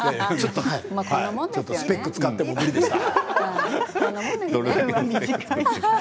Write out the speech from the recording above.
スペックを使っても無理でした。